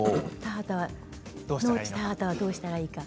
農地、田畑はどうしたらいいのって。